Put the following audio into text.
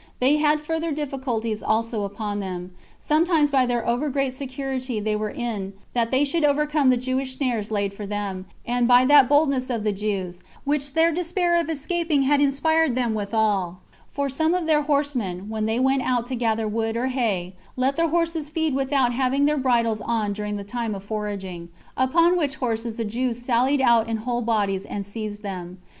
They had further difficulties also upon them; sometimes by their over great security they were in that they should overcome the Jewish snares laid for them, and by that boldness of the Jews which their despair of escaping had inspired them withal; for some of their horsemen, when they went out to gather wood or hay, let their horses feed without having their bridles on during the time of foraging; upon which horses the Jews sallied out in whole bodies, and seized them.